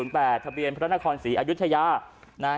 ทะเบียนพระราณคอนศรีอายุทธยา